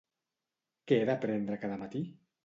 Què he de prendre cada matí?